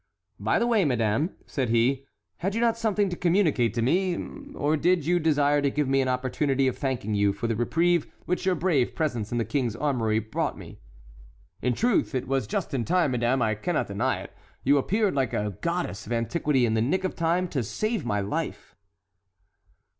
"By the way, madame," said he, "had you not something to communicate to me? or did you desire to give me an opportunity of thanking you for the reprieve which your brave presence in the King's armory brought me? In truth it was just in time, madame; I cannot deny it, you appeared like a goddess of antiquity, in the nick of time to save my life."